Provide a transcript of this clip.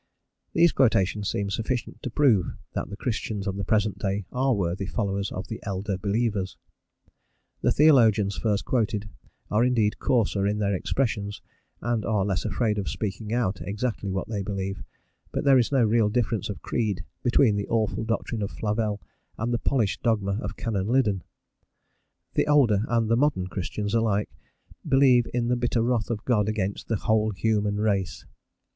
These quotations seem sufficient to prove that the Christians of the present day are worthy followers of the elder believers. The theologians first quoted are indeed coarser in their expressions, and are less afraid of speaking out exactly what they believe, but there is no real difference of creed between the awful doctrine of Flavel and the polished dogma of Canon Liddon. The older and the modern Christians alike believe in the bitter wrath of God against "the whole human race."